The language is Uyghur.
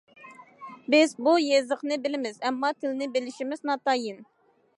بىز بۇ يېزىقنى بىلىمىز، ئەمما تىلنى بىلىشىمىز ناتايىن.